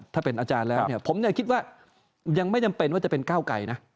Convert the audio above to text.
ถ้าเป็นอาจารย์แล้วเนี่ยผมคิดว่ายังไม่จำเป็นว่าจะเป็นก้าวไกลนะ